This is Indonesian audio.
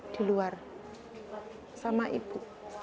di luar sama ibu